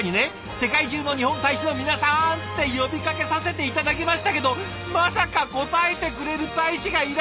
「世界中の日本大使の皆さん！」って呼びかけさせて頂きましたけどまさか応えてくれる大使がいらっしゃるなんて！